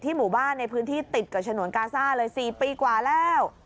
หมู่บ้านในพื้นที่ติดกับฉนวนกาซ่าเลย๔ปีกว่าแล้ว